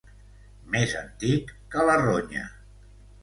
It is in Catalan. Més antic que la ronya.